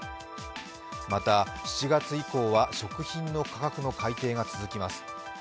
また、７月以降は食品の価格の改定が続きます。